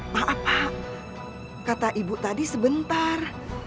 maaf pak kata ibu tadi sebentar